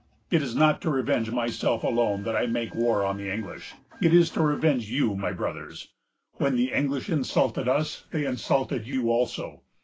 It is not to revenge myself alone that I make war on the English. It is to revenge you, my Brothers. When the English insulted us, they insulted you also.